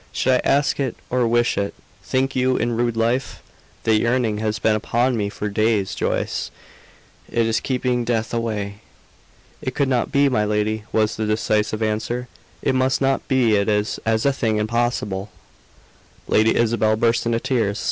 Should I ask it or wish it, think you, in rude life? The yearning has been upon me for days Joyce; it is keeping death away." "It could not be, my lady," was the decisive answer. "It must not be. It is as a thing impossible." Lady Isabel burst into tears.